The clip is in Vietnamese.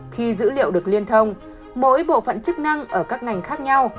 khi dữ liệu được liên thông mỗi bộ phận chức năng ở các ngành khác nhau